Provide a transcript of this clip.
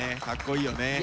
かっこいいよね。